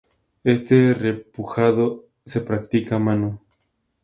Este repujado se practica a mano.